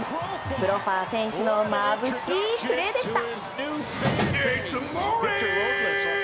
プロファー選手のまぶしいプレーでした！